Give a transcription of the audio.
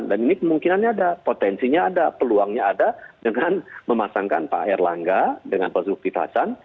dan ini kemungkinannya ada potensinya ada peluangnya ada dengan memasangkan pak erlangga dengan pak zulkifli hasan